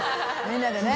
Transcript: みんなでね。